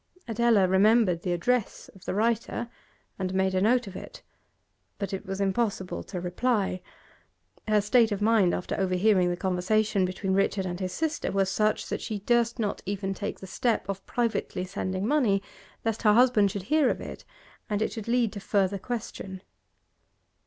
Adela remembered the address of the writer, and made a note of it, but it was impossible to reply. Her state of mind after overhearing the conversation between Richard and his sister was such that she durst not even take the step of privately sending money, lest her husband should hear of it and it should lead to further question.